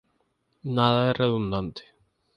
Nada es redundante.